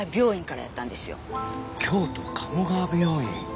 京都鴨川病院？